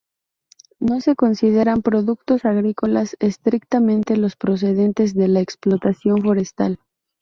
No se consideran productos agrícolas estrictamente los procedentes de la explotación forestal.